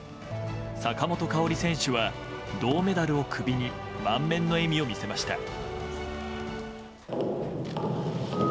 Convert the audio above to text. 坂本花織選手は銅メダルを首に満面の笑みを見せました。